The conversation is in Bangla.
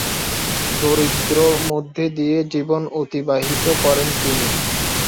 দারিদ্র্যের মধ্যে দিয়ে জীবন অতিবাহিত করেন তিনি।